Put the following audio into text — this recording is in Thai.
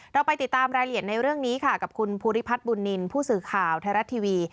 เราไปติดตามรายละเอียดในเรื่องนี้ค่ะกับคุณภูริพัฒน์บุญนินทร์ผู้สื่อข่าวไทยรัฐทีวี